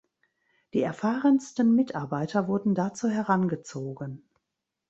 Die erfahrensten Mitarbeiter wurden dazu herangezogen.